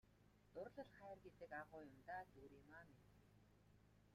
Дурлал хайр гэдэг агуу юм даа Дүүриймаа минь!